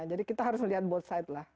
jadi kita harus melihat both side lah